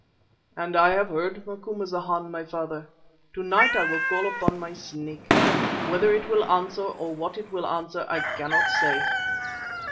"And I have heard, Macumazana, my father. To night I will call upon my Snake. Whether it will answer or what it will answer, I cannot say."